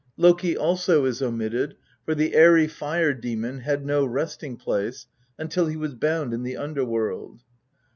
Loki also is omitted, for the airy fire demon had no resting place until he was bound in the underworld.